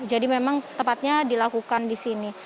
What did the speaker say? jadi memang tepatnya dilakukan di sini